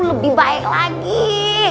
lebih baik lagi